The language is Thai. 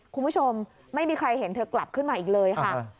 คุณผู้ชมไม่มีใครเห็นเธอกลับขึ้นมาอีกเลยค่ะ